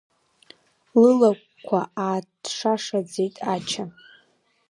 Лылагәқәа ааҭшашаӡеит Ача.